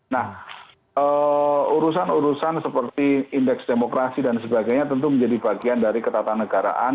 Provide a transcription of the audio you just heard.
nah urusan urusan seperti indeks demokrasi dan sebagainya tentu menjadi bagian dari ketatanegaraan